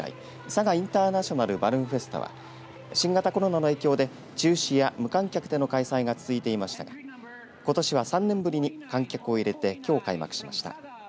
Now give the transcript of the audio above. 佐賀インターナショナルバルーンフェスタは新型コロナの影響で中止や無観客での開催が続いていましたがことしは３年ぶりに観客を入れてきょう開幕しました。